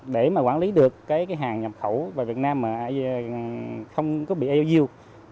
để quản lý được hàng nhập khẩu vào việt nam mà không bị eu u